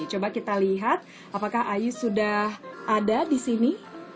coba kita lihat apakah ayu sudah ada di sini